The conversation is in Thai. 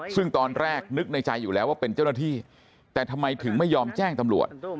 ซึ่งตอนแรกนึกในใจอยู่แล้วว่าเป็นเจ้าหน้าที่แต่ทำไมถึงไม่ยอมแจ้งตำรวจ